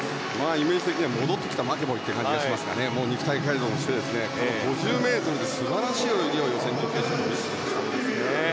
イメージ的には戻ってきたマケボイという感じがしますが肉体改造して５０ｍで素晴らしい泳ぎを予選、準決勝と見せてくれました。